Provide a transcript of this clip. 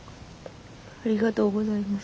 ありがとうございます。